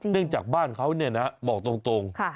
จากบ้านเขาเนี่ยนะบอกตรง